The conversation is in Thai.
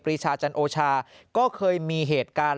รีชาจันโอชาก็เคยมีเหตุการณ์